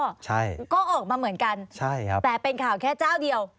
ก็ออกมาเหมือนกันแต่เป็นข่าวแค่จ้าวเดียว